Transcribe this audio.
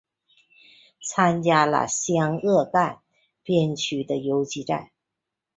参加了湘鄂赣边区的游击战。